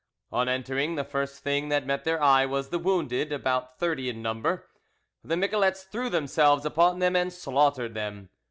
On entering, the first thing that met their eye was the wounded, about thirty in number. The miquelets threw themselves upon them and slaughtered them.